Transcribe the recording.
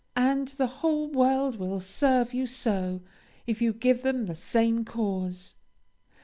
And the whole world will serve you so, if you give them the same cause.